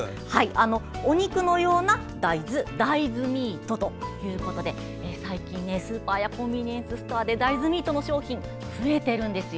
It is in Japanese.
お肉のような大豆大豆ミートということで最近、スーパーやコンビニエンスストアで大豆ミートの商品が増えているんですよ。